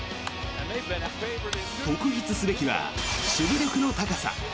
特筆すべきは守備力の高さ。